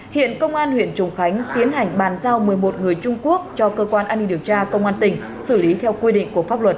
hiện công an huyện trùng khánh tiến hành bàn giao một mươi một người trung quốc cho cơ quan an ninh điều tra công an tỉnh xử lý theo quy định của pháp luật